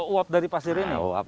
wap dari pasir ini